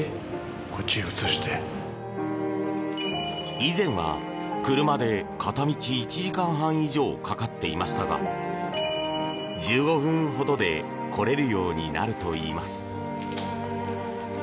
以前は、車で片道１時間半以上かかっていましたが１５分ほどで来れるようになるといいます。